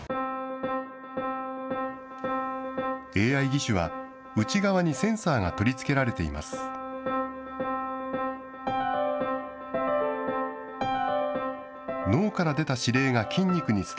ＡＩ義手は、内側にセンサーが取り付けられています。